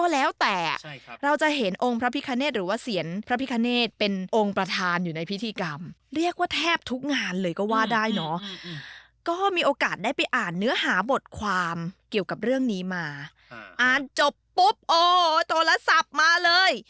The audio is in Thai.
และเทพองค์ไหนที่เป็นเทพแห่งศิลปะกันแน่